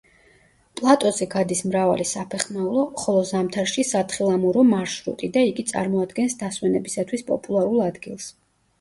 პლატოზე გადის მრავალი საფეხმავლო, ხოლო ზამთარში სათხილამურო მარშრუტი და იგი წარმოადგენს დასვენებისათვის პოპულარულ ადგილს.